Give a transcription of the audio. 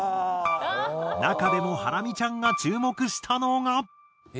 中でもハラミちゃんが注目したのが。